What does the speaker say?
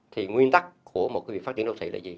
thì nguyên tắc của một cái việc phát triển đô thị là gì